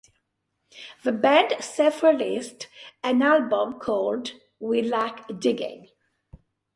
The band self-released an album called We Like Digging?